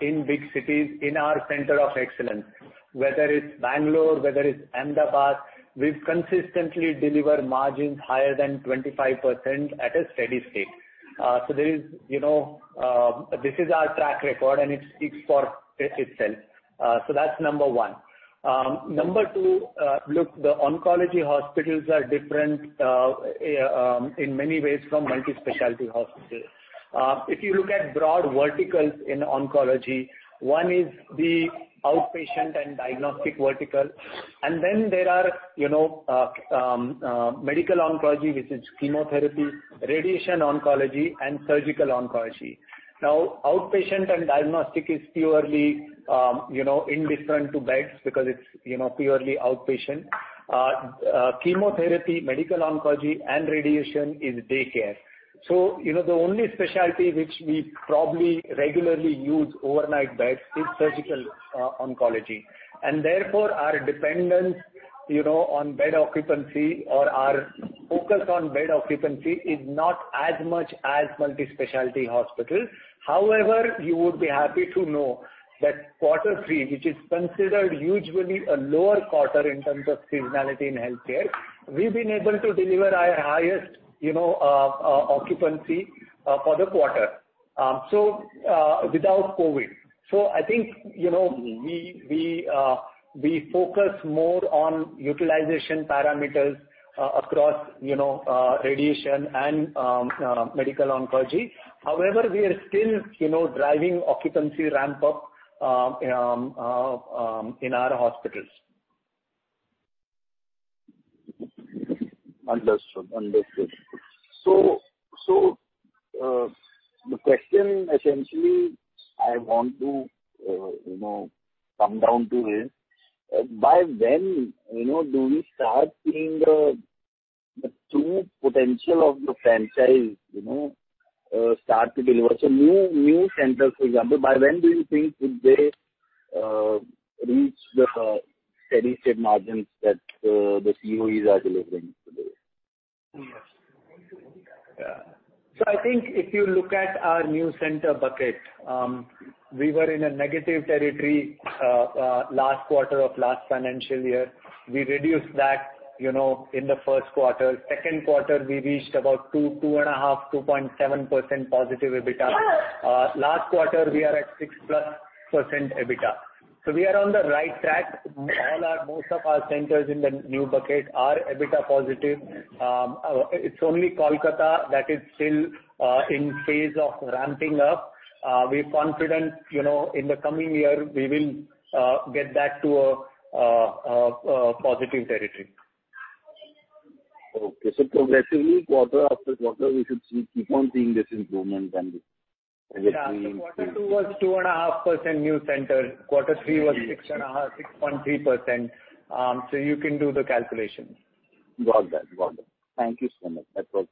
in big cities in our Center of Excellence. Whether it's Bangalore, whether it's Ahmedabad, we've consistently delivered margins higher than 25% at a steady state. You know, this is our track record, and it speaks for itself. That's number one. Number two, look, the oncology hospitals are different in many ways from multi-specialty hospitals. If you look at broad verticals in oncology, one is the outpatient and diagnostic vertical. Then there are, you know, medical oncology, which is chemotherapy, radiation oncology, and surgical oncology. Now, outpatient and diagnostic is purely, you know, indifferent to beds because it's, you know, purely outpatient. Chemotherapy, medical oncology, and radiation is daycare. You know, the only specialty which we probably regularly use overnight beds is surgical oncology. Therefore, our dependence, you know, on bed occupancy or our focus on bed occupancy is not as much as multi-specialty hospitals. However, you would be happy to know that Q3, which is considered usually a lower quarter in terms of seasonality in healthcare, we've been able to deliver our highest, you know, occupancy for the quarter without COVID. I think, you know, we focus more on utilization parameters across, you know, radiation and medical oncology. However, we are still, you know, driving occupancy ramp up in our hospitals. Understood. The question essentially I want to, you know, come down to is, by when, you know, do we start seeing the true potential of the franchise, you know, start to deliver? New centers, for example, by when do you think would they reach the steady-state margins that the COEs are delivering today? Yes. Yeah. I think if you look at our new center bucket, we were in a negative territory last quarter of last financial year. We reduced that, you know, in the Q1. Q2, we reached about 2.5%, 2.7% positive EBITDA. Last quarter we are at 6%+ EBITDA. We are on the right track. Most of our centers in the new bucket are EBITDA positive. It's only Kolkata that is still in phase of ramping up. We're confident, you know, in the coming year we will get back to a positive territory. Okay. Progressively quarter after quarter we should see, keep on seeing this improvement then. Yeah. Q2 was 2.5% new center. Q3 was 6.5%, 6.3%. You can do the calculations. Got that. Got it. Thank you so much. That was.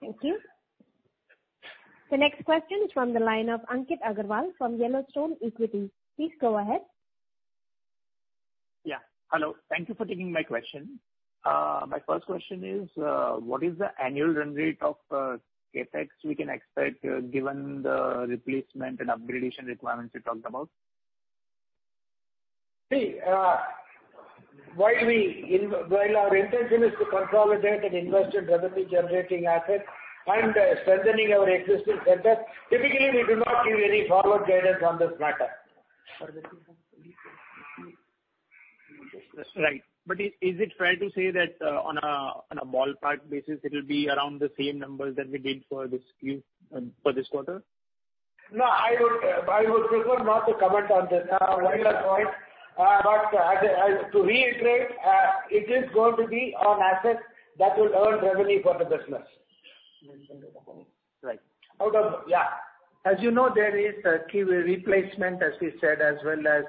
Thank you. The next question is from the line of Ankit Agrawal from Yellowstone Equity. Please go ahead. Yeah. Hello. Thank you for taking my question. My first question is, what is the annual run rate of, CapEx we can expect, given the replacement and upgradation requirements you talked about? See, while our intention is to consolidate and invest in revenue generating assets and strengthening our existing centers, typically we do not give any forward guidance on this matter. Right. Is it fair to say that on a ballpark basis, it'll be around the same numbers that we did for this quarter? No, I would prefer not to comment on this at a regular point. To reiterate, it is going to be on assets that will earn revenue for the business. Right. Out of- Yeah. As you know, there is a key replacement, as we said, as well as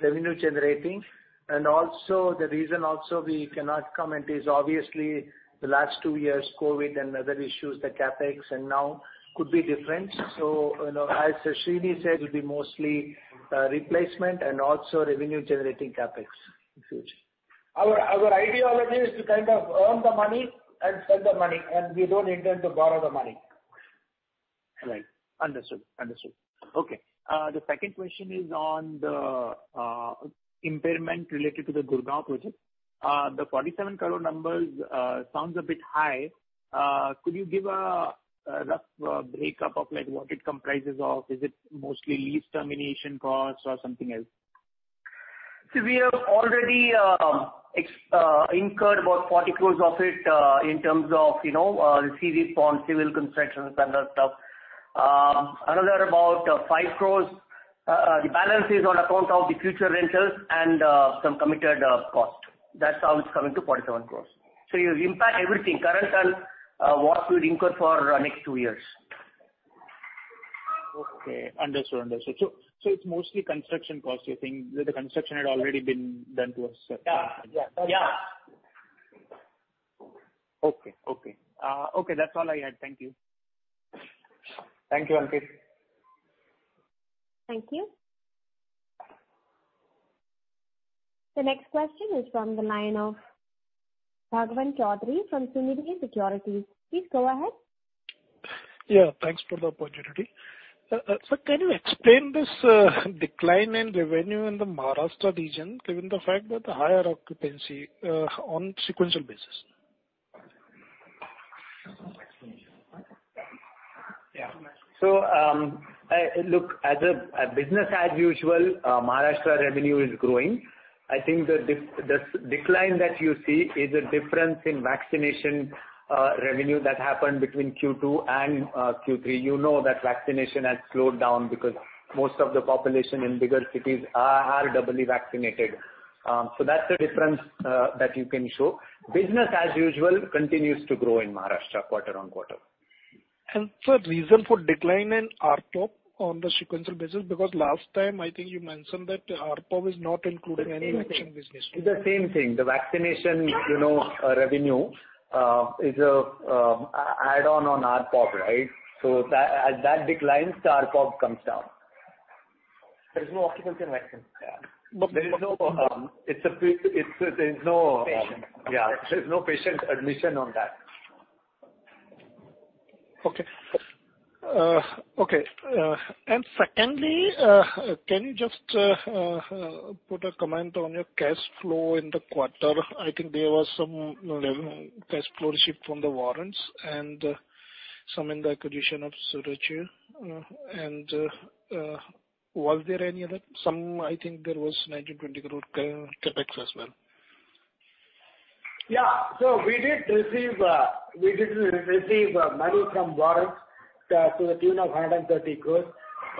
revenue generating. Also the reason also we cannot comment is obviously the last two years COVID and other issues, the CapEx and now could be different. You know, as Srinivasa said, it will be mostly replacement and also revenue generating CapEx in future. Our ideology is to kind of earn the money and spend the money, and we don't intend to borrow the money. Right. Understood. Okay. The second question is on the impairment related to the Gurgaon project. The 47 crore numbers sounds a bit high. Could you give a rough breakdown of like what it comprises of? Is it mostly lease termination costs or something else? We have already incurred about 40 crore of it in terms of the CapEx form, civil construction standard stuff. Another about 5 crore, the balance is on account of the future rentals and some committed cost. That's how it's coming to 47 crore. It will impact everything current and what we'll incur for next two years. Okay. Understood. It's mostly construction costs you think that the construction had already been done to a certain- Yeah. Okay. That's all I had. Thank you. Thank you, Ankit. Thank you. The next question is from the line of Bhagwan Chaudhary from Sunidhi Securities. Please go ahead. Yeah, thanks for the opportunity. Sir, can you explain this decline in revenue in the Maharashtra region, given the fact that the higher occupancy on sequential basis? Yeah. Look, as business as usual, Maharashtra revenue is growing. I think the decline that you see is a difference in vaccination revenue that happened between Q2 and Q3. You know that vaccination has slowed down because most of the population in bigger cities are doubly vaccinated. That's the difference that you can show. Business as usual continues to grow in Maharashtra quarter on quarter. Sir, reason for decline in ARPOP on the sequential basis, because last time I think you mentioned that ARPOP is not including any vaccine business. It's the same thing. The vaccination, you know, revenue is add on ARPOP, right? That, as that declines, ARPOP comes down. There is no occupancy in vaccine. Yeah. But- There is no. Patient. Yeah. There's no patient admission on that. Secondly, put a comment on your cash flow in the quarter? I think there was some, you know, cash flow shift from the warrants and some in the acquisition of Suchirayu. Was there any other? I think there was 90-20 growth CapEx as well. Yeah. We did receive money from warrants to the tune of 130 crores.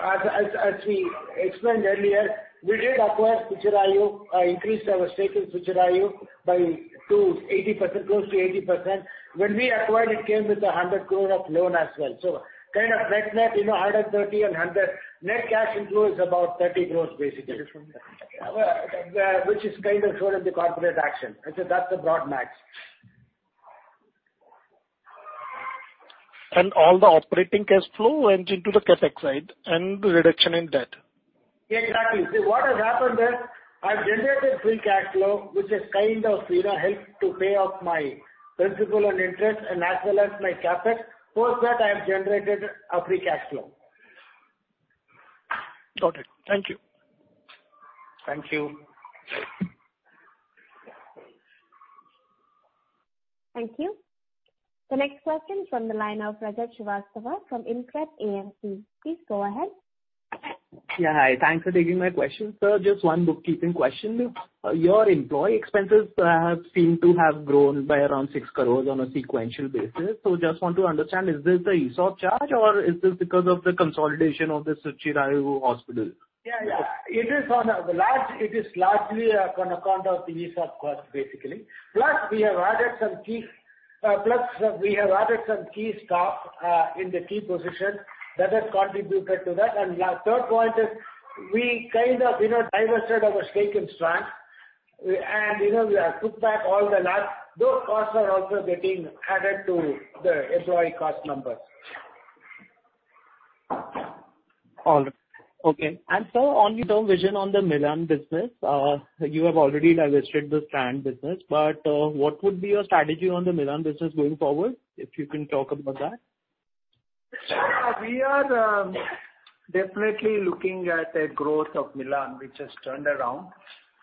As we explained earlier, we did acquire Suchirayu, increased our stake in Suchirayu to 80%, close to 80%. When we acquired, it came with a 100 crore loan as well. Net-net, you know, 130 and 100. Net cash inflow is about 30 crores basically. Understood. which is kind of shown in the corporate action. That's the broad match. All the operating cash flow went into the CapEx side and the reduction in debt. Exactly. See, what has happened there, I've generated free cash flow, which has kind of, you know, helped to pay off my principal and interest and as well as my CapEx. Post that I have generated a free cash flow. Got it. Thank you. Thank you. Thank you. The next question from the line of Rajat Srivastava from InCred AMC. Please go ahead. Yeah, hi. Thanks for taking my question. Sir, just one bookkeeping question. Your employee expenses seem to have grown by around 6 crore on a sequential basis. Just want to understand, is this a ESOP charge or is this because of the consolidation of the Suchirayu Hospital? It is largely on account of the ESOP cost, basically. We have added some key staff in the key position that has contributed to that. Third point is we kind of, you know, divested our stake in Strand. You know, we have took back all the loss. Those costs are also getting added to the employee cost numbers. All right. Okay. Sir, on the long-term vision on the Milann business, you have already divested the Strand business, but what would be your strategy on the Milann business going forward, if you can talk about that? We are definitely looking at a growth of Milann, which has turned around.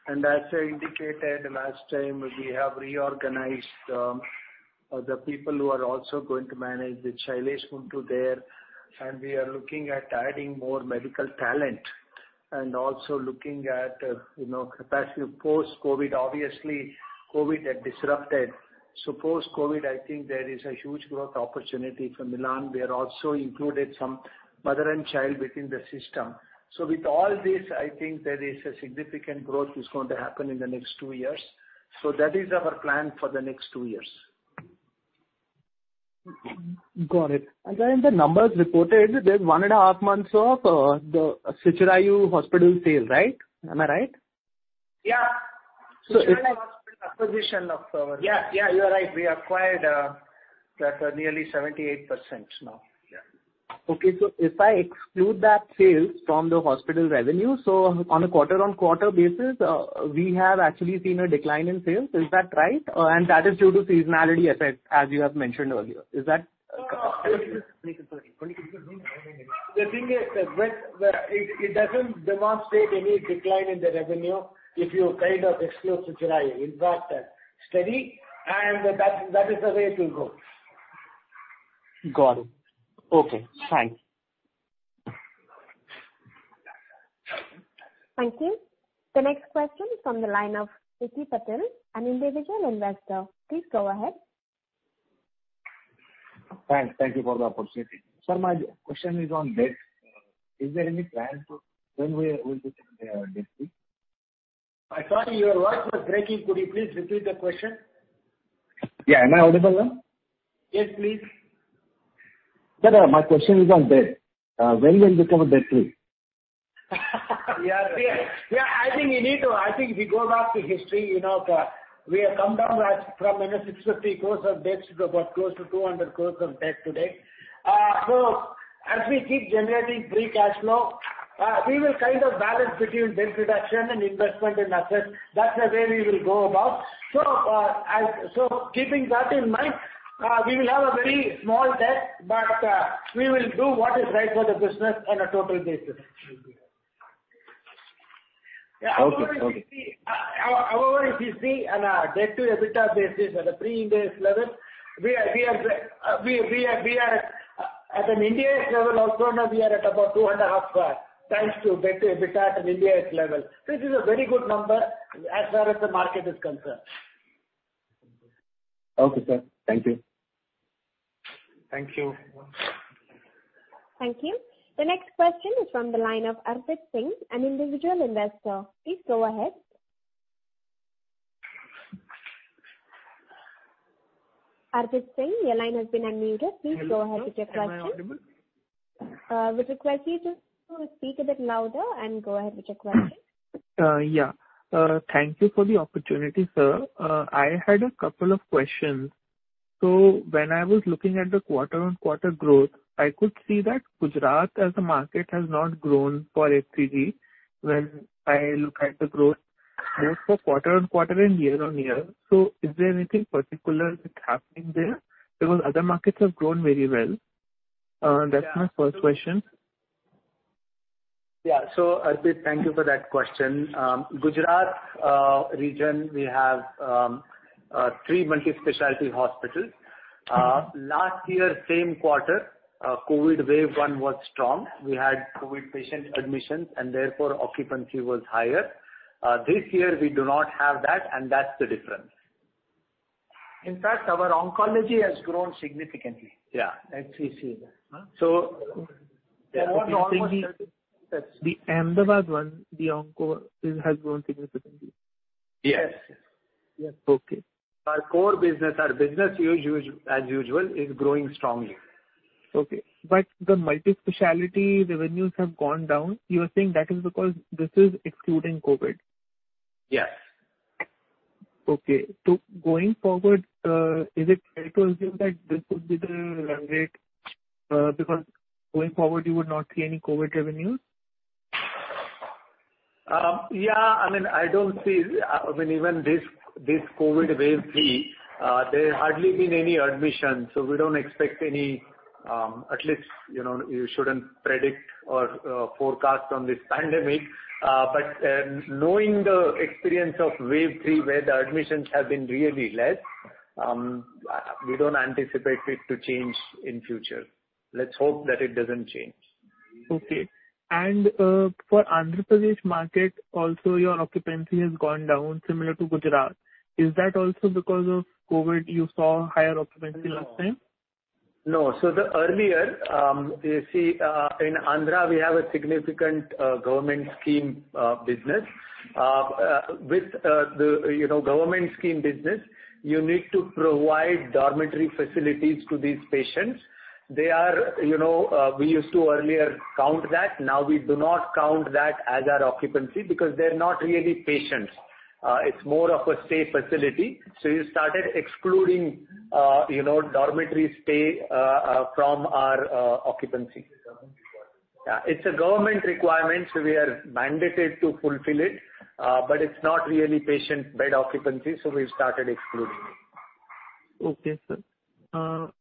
As I indicated last time, we have reorganized the people who are also going to manage with Shailesh Guntu there. We are looking at adding more medical talent and also looking at capacity post-COVID. Obviously, COVID had disrupted. Post-COVID, I think there is a huge growth opportunity for Milann. We have also included some mother and child within the system. With all this, I think there is a significant growth is going to happen in the next two years. That is our plan for the next two years. Got it. In the numbers reported, there's one and a half months of the Suchirayu Hospital sales, right? Am I right? Yeah. So if- Suchirayu Hospital acquisition. Yeah, you are right. We acquired that nearly 78% now. Yeah. If I exclude that sales from the hospital revenue, on a quarter-on-quarter basis, we have actually seen a decline in sales. Is that right? That is due to seasonality effect, as you have mentioned earlier. Is that- No, no. The thing is that it doesn't demonstrate any decline in the revenue if you kind of exclude Suchirayu. In fact, steady, and that is the way it will go. Got it. Okay. Thanks. Thank you. The next question from the line of Ricky Patel, an individual investor. Please go ahead. Thanks. Thank you for the opportunity. Sir, my question is on debt. Is there any plan as to when we will be debt-free? I'm sorry, your voice was breaking. Could you please repeat the question? Yeah. Am I audible now? Yes, please. Sir, my question is on debt. When will you become debt free? I think if we go back to history, you know, we have come down from 650 crores of debt to about close to 200 crores of debt today. As we keep generating free cash flow, we will kind of balance between debt reduction and investment in assets. That's the way we will go about. Keeping that in mind, we will have a very small debt, but we will do what is right for the business on a total basis. Okay. Okay. However, if you see on a debt to EBITDA basis at a pre-Ind AS level, we are at an Ind AS level also now we are at about 2.5x debt to EBITDA at an Ind AS level. This is a very good number as far as the market is concerned. Okay, sir. Thank you. Thank you. Thank you. The next question is from the line of Arpit Singh, an individual investor. Please go ahead. Arpit Singh, your line has been unmuted. Please go ahead with your question. Hello. Am I audible? Would request you just to speak a bit louder and go ahead with your question. Thank you for the opportunity, sir. I had a couple of questions. When I was looking at the quarter-over-quarter growth, I could see that Gujarat as a market has not grown for HCG when I look at the growth. Both for quarter-over-quarter and year-over-year. Is there anything particular that's happening there? Because other markets have grown very well. That's my first question. Yeah. Arpit, thank you for that question. Gujarat region, we have three multi-specialty hospitals. Last year, same quarter, COVID wave 1 was strong. We had COVID patient admissions and therefore occupancy was higher. This year we do not have that, and that's the difference. In fact, our oncology has grown significantly. Yeah. As we see that. So The Ahmedabad one, the onco is, has grown significantly. Yes. Yes. Okay. Our core business as usual is growing strongly. Okay. The multi-specialty revenues have gone down. You are saying that is because this is excluding COVID? Yes. Okay. Going forward, is it fair to assume that this would be the run rate, because going forward you would not see any COVID revenue? Yeah. I mean, even this COVID wave three, there's hardly been any admissions, so we don't expect any, at least, you know, you shouldn't predict or forecast on this pandemic. Knowing the experience of wave three, where the admissions have been really less, we don't anticipate it to change in future. Let's hope that it doesn't change. Okay. For Andhra Pradesh market, also your occupancy has gone down similar to Gujarat. Is that also because of COVID you saw higher occupancy last time? No. The earlier, you see, in Andhra, we have a significant government scheme business. With the government scheme business, you need to provide dormitory facilities to these patients. They are, you know, we used to earlier count that, now we do not count that as our occupancy because they're not really patients. It's more of a stay facility. We started excluding, you know, dormitory stay from our occupancy. It's a government requirement. Yeah. It's a government requirement, so we are mandated to fulfill it, but it's not really patient bed occupancy, so we've started excluding it. Okay, sir. Third,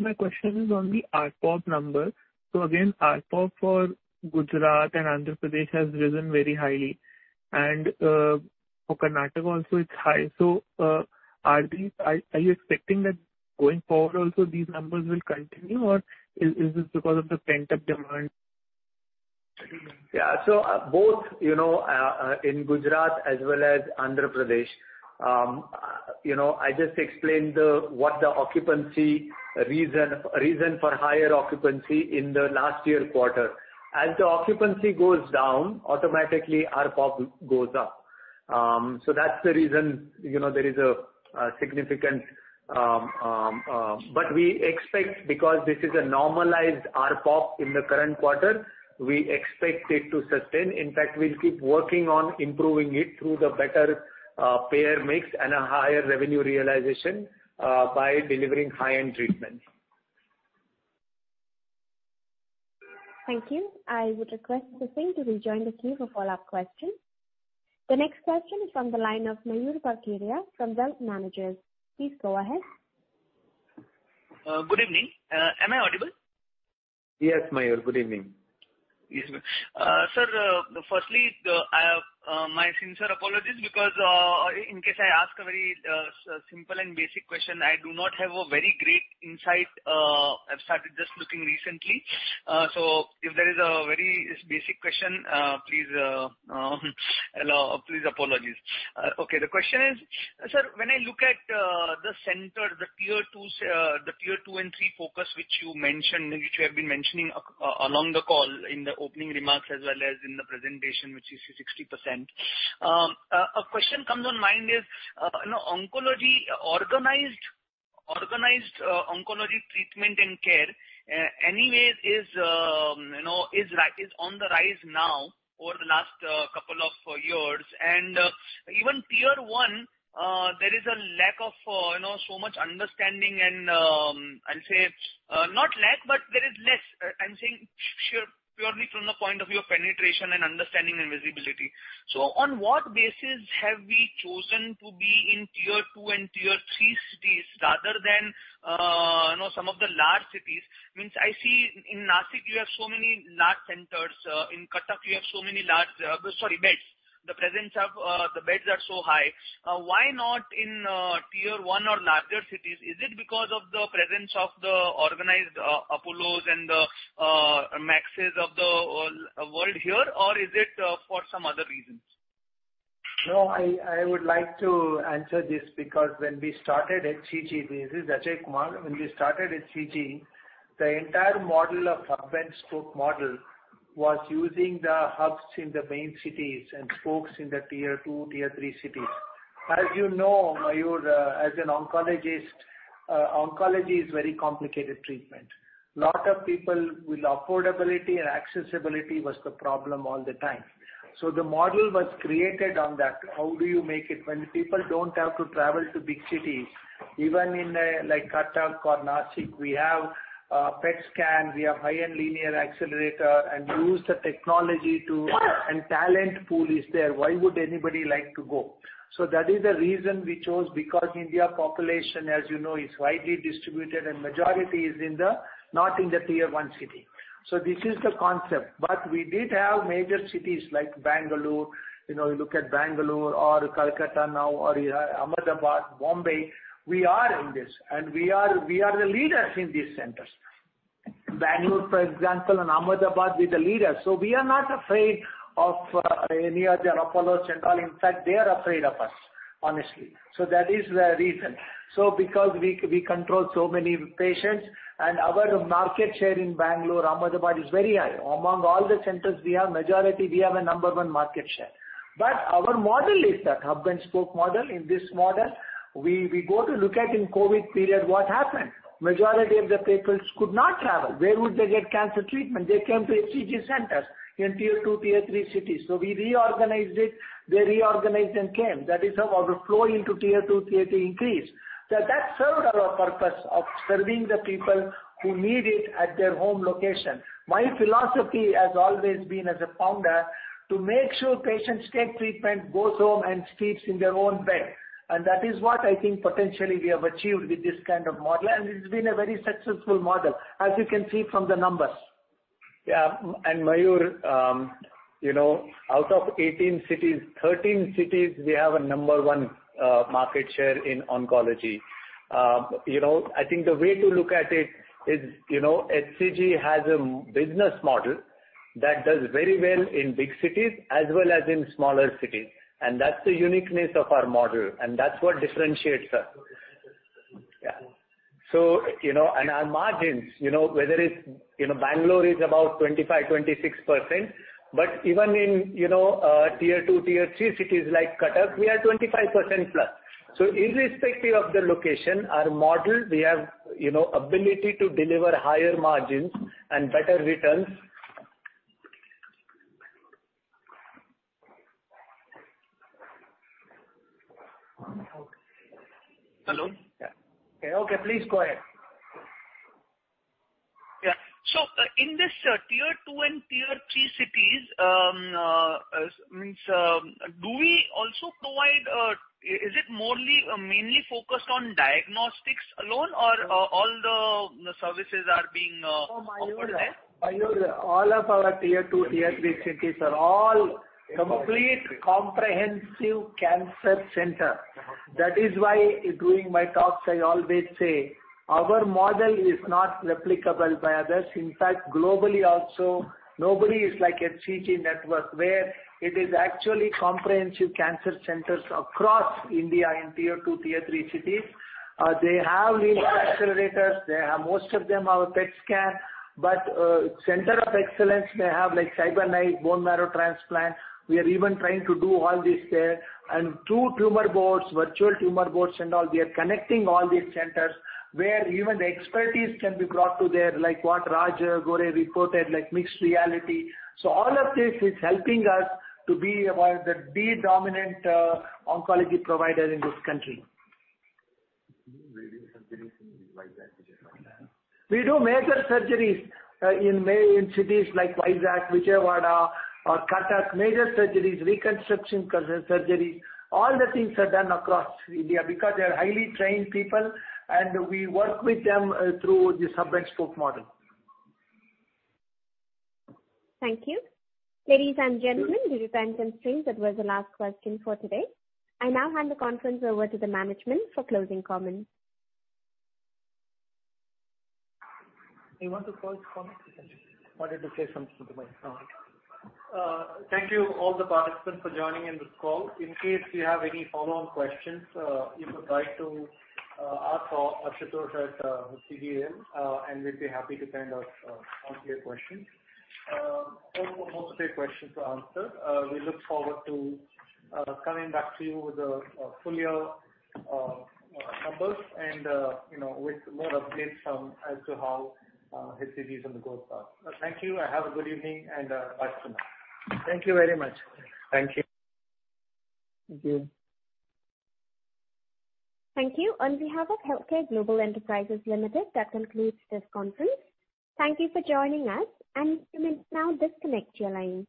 my question is on the ARPOP number. Again, ARPOP for Gujarat and Andhra Pradesh has risen very highly. For Karnataka also it's high. Are you expecting that going forward also these numbers will continue, or is this because of the pent-up demand? Both, you know, in Gujarat as well as Andhra Pradesh, I just explained the reason for higher occupancy in the last quarter. As the occupancy goes down, automatically ARPOP goes up. That's the reason, you know. We expect because this is a normalized ARPOP in the current quarter, we expect it to sustain. In fact, we'll keep working on improving it through the better payer mix and a higher revenue realization by delivering high-end treatment. Thank you. I would request the team to rejoin the queue for follow-up questions. The next question is from the line of Mayur Baklia from Delte Manages. Please go ahead. Good evening. Am I audible? Yes, Mayur. Good evening. Yes, ma'am. Sir, firstly, my sincere apologies because, in case I ask a very simple and basic question, I do not have a very great insight. I've started just looking recently. So if there is a very basic question, please allow. Apologies. Okay, the question is, sir, when I look at the tier two and three focus which you mentioned, which you have been mentioning along the call in the opening remarks as well as in the presentation, which is 60%. A question comes to mind is, you know, organized oncology treatment and care anyway is, you know, on the rise now over the last couple of years. Even tier one, there is a lack of, you know, so much understanding and, I'll say, not lack, but there is less. I'm saying purely from the point of view of penetration and understanding and visibility. So on what basis have we chosen to be in tier two and tier three cities rather than, you know, some of the large cities? I mean, I see in Nashik, you have so many large centers. In Cuttack, you have so many large, sorry, beds. The presence of the beds are so high. Why not in tier one or larger cities? Is it because of the presence of the organized Apollos and the Maxes of the world here, or is it for some other reasons? No, I would like to answer this because when we started HCG, this is B.S. Ajaikumar. When we started HCG, the entire model of hub-and-spoke model was using the hubs in the main cities and spokes in the tier two, tier three cities. As you know, Mayur, as an oncologist, oncology is very complicated treatment. Lot of people with affordability and accessibility was the problem all the time. So the model was created on that. How do you make it when people don't have to travel to big cities, even in, like Cuttack or Nashik, we have PET scan, we have high-end linear accelerator and use the technology to. Talent pool is there, why would anybody like to go? So that is the reason we chose because India population, as you know, is widely distributed and majority is in the not in the tier-one city. This is the concept. We did have major cities like Bangalore. You know, you look at Bangalore or Kolkata now, or Ahmedabad, Bombay, we are in this, and we are the leaders in these centers. Bangalore, for example, and Ahmedabad, we're the leaders. We are not afraid of any other Apollos and all. In fact, they are afraid of us, honestly. That is the reason. Because we control so many patients and our market share in Bangalore, Ahmedabad is very high. Among all the centers we have majority, we have a number one market share. Our model is the hub-and-spoke model. In this model, we go to look at in COVID period what happened. Majority of the people could not travel. Where would they get cancer treatment? They came to HCG centers in tier two, tier three cities. We reorganized it. They reorganized and came. That is how our flow into tier two, tier three increased. That served our purpose of serving the people who need it at their home location. My philosophy has always been, as a founder, to make sure patients get treatment, goes home, and sleeps in their own bed. That is what I think potentially we have achieved with this kind of model, and it's been a very successful model, as you can see from the numbers. Yeah. Mayur, you know, out of 18 cities, 13 cities, we have a number one market share in oncology. You know, I think the way to look at it is, you know, HCG has a business model that does very well in big cities as well as in smaller cities, and that's the uniqueness of our model, and that's what differentiates us. Yeah. You know, our margins, you know, whether it's, you know, Bangalore is about 25%-26%, but even in, you know, tier two, tier three cities like Cuttack, we are 25% plus. Irrespective of the location, our model, we have, you know, ability to deliver higher margins and better returns. Hello? Yeah. Okay, please go ahead. In Tier two and Tier three cities, is it merely mainly focused on diagnostics alone or all the services are being offered there? Mayur, all of our tier two, tier three cities are all complete comprehensive cancer center. That is why during my talks, I always say our model is not replicable by others. In fact, globally also nobody is like HCG network, where it is actually comprehensive cancer centers across India in tier two, tier three cities. They have linear accelerators. They have, most of them have PET scan. But center of excellence, they have like CyberKnife, bone marrow transplant. We are even trying to do all this there. Two tumor boards, virtual tumor boards, and all. We are connecting all these centers where even the expertise can be brought to there, like what Raj Gore reported, like mixed reality. All of this is helping us to be one of the dominant oncology provider in this country. We do major surgeries in cities like Vizag, Vijayawada or Cuttack. Major surgeries, reconstruction surgeries, all the things are done across India because they are highly trained people and we work with them through the hub-and-spoke model. Thank you. Ladies and gentlemen, due to time constraints, that was the last question for today. I now hand the conference over to the management for closing comments. You want to close comments? Or did you say something to the microphone? Thank you all the participants for joining in this call. In case you have any follow-on questions, you could write to us or Ashutosh at hcgel.com, and we'll be happy to send out answers to your questions. Hope we got most of your questions answered. We look forward to coming back to you with the full year numbers and, you know, with more updates on, as to how HCG is on the growth path. Thank you, and have a good evening and bye for now. Thank you very much. Thank you. Thank you. Thank you. On behalf of HealthCare Global Enterprises Limited, that concludes this conference. Thank you for joining us, and you may now disconnect your line.